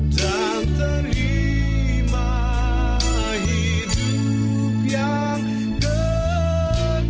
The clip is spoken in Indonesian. dan terima hidup yang dekat